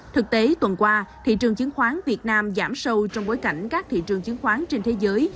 thực tế tuần qua thị trường chứng khoán việt nam giảm sâu trong bối cảnh các thị trường chứng khoán trên thế giới